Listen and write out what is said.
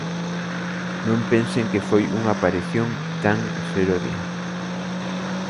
Non pensen que foi unha aparición tan serodia.